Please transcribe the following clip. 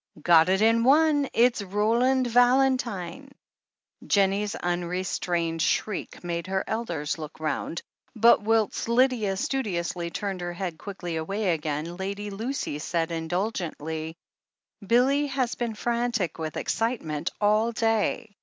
"Got it in one I It's Roland Valentine r Jennie's unrestrained shriek made her elders look round, but whilst Lydia studiously turned her head quickly away again, Lady Lucy said indulgently: "Billy has been frantic with excitement all day.